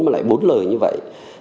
mà lại bốn lời như vậy